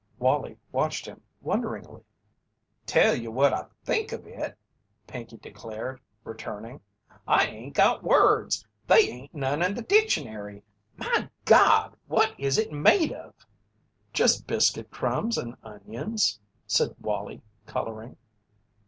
Wallie watched him wonderingly: "Tell you what I think of it!" Pinkey declared, returning. "I ain't got words they ain't none in the dictionary. My Gawd! what is it made of?" "Just biscuit crumbs and onions," said Wallie, colouring.